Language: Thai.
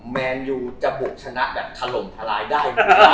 แมนยูจะบุกชนะแบบถล่มทลายได้ไหม